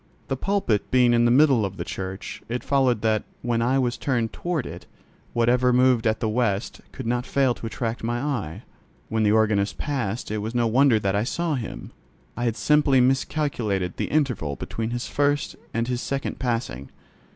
The pulpit being in the middle of the church, it followed that, when I was turned toward it, whatever moved at the west end could not fail to attract my eye. When the organist passed it was no wonder that I saw him: I had simply miscalculated the interval between his first and his second passing.